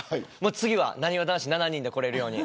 次は、なにわ男子７人で来られるように。